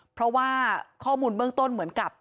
เพราะว่าข้อมูลเบื้องต้นเหมือนกับ